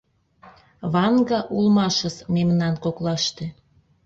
Ванга улмашыс мемнан коклаште.